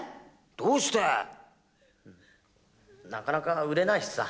どうしてうんなかなか売れないしさ